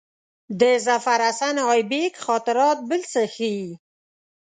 د ظفرحسن آیبک خاطرات بل څه ښيي.